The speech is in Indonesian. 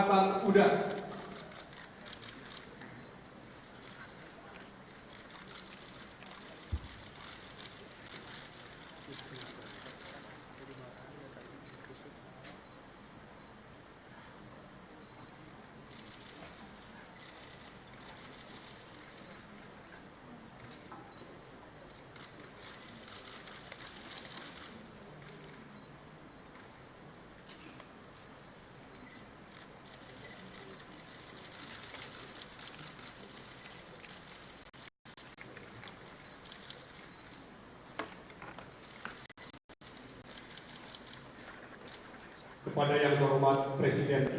pernah datang ke masjid